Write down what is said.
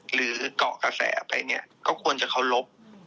หรือเกาะกระแสไปเนี่ยก็ควรจะเคารพ